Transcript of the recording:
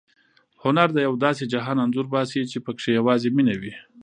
هنر د یو داسې جهان انځور باسي چې پکې یوازې مینه وي.